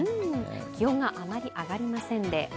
気温があまり上がりませんで。